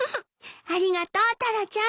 ありがとうタラちゃん。